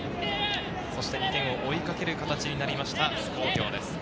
そして２点を追いかける形になった津工業です。